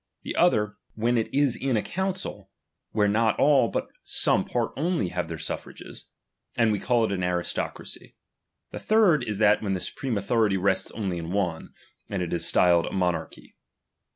The other, when it is in a council, where not all, but some part only have their suffrages ; and we call it an aristocracy/. The third is that, when the supreme authority rests only in one ; and it is styled a monarchy.